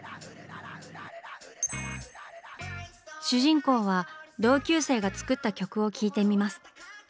主人公は同級生が作った曲を聴いてみます。